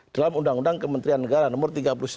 dalam undang undang kementerian negara nomor tiga puluh sembilan